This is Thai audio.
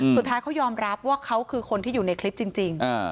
สุดท้ายเขายอมรับว่าเขาคือคนที่อยู่ในคลิปจริง